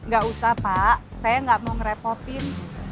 gak usah pak saya gak mau ngerepotin